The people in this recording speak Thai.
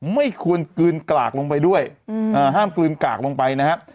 ไม่ควรกลืนกรากลงไปด้วยห้ามกลืนกากลงไปนะครับ